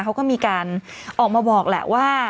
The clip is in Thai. เขาก็มีการออกมาบอกแหละว่า